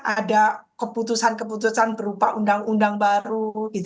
ada keputusan keputusan berupa undang undang baru